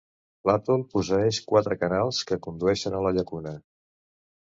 L'atol posseeix quatre canals que condueixen a la llacuna.